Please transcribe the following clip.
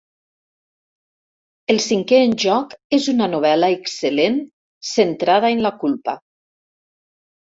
El cinquè en joc és una novel·la excel·lent centrada en la culpa.